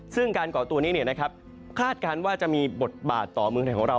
ซึ่งการก่อตัวนี้คาดการณ์ว่าจะมีบทบาทต่อเมืองไทยของเรา